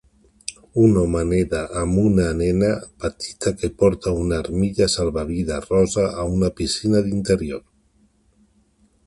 Un home neda amb una nena petita que porta una armilla salvavides rosa a una piscina d'interior.